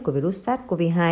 của virus sars cov hai